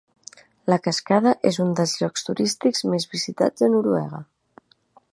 La cascada és un dels llocs turístics més visitats a Noruega.